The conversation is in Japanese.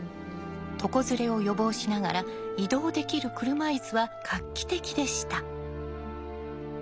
床ずれを予防しながら移動できる車いすは画期的でした。